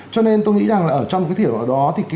cho nên tôi nghĩ rằng là trong cái thiếu đó